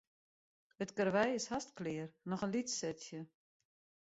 It karwei is hast klear, noch in lyts setsje.